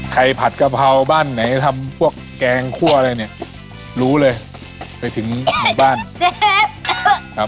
ผัดกะเพราบ้านไหนทำพวกแกงคั่วอะไรเนี่ยรู้เลยไปถึงหมู่บ้านครับ